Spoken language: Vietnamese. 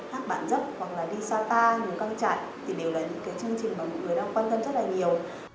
hác bản dốc hoặc là đi sapa nú căng trại thì đều là những chương trình mà mọi người đang quan tâm rất là nhiều